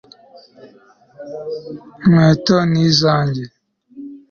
Inkweto ni izanjye